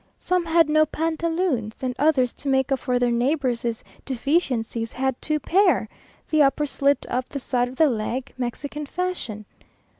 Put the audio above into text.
Some had no pantaloons; and others, to make up for their neighbours' deficiencies, had two pair the upper slit up the side of the leg, Mexican fashion.